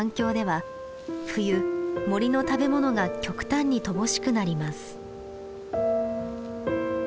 冬森の食べ物が極端に乏しくなります。